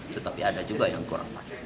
tetapi ada juga yang kurang pas